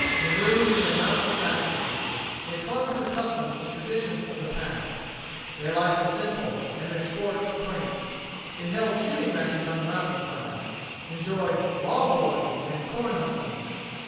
Marooned in their mountain fastnesses, they clung to the customs and the traditions of the past. Their life was simple, and their sports quaint. They held shooting matches on the mountainside, enjoyed "log rollings" and "corn huskings."